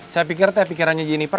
saya pikir teh pikirannya jeniper